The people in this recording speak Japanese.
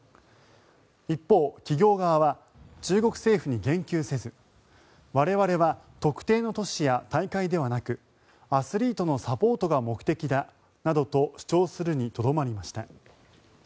一方、企業側は中国政府に言及せず我々は特定の都市や大会ではなくアスリートのサポートが目的だなどと主張するにとどまりました。